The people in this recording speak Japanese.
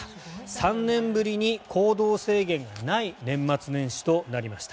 ３年ぶりに行動制限がない年末年始となりました。